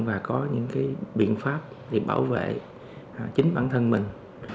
và có những biện pháp để bảo vệ chính bản thân mình